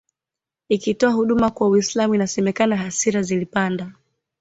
ikitoa huduma kwa Uislam inasemekana hasira zilipanda